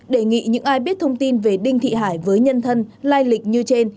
đề nghị những ai biết thông tin về đinh thị hải với nhân thân lai lịch như trên